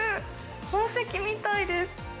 宝石みたいです。